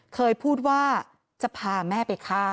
เคยพูดว่าจะพาแม่ไปฆ่า